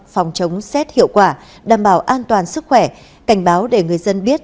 phòng chống xét hiệu quả đảm bảo an toàn sức khỏe cảnh báo để người dân biết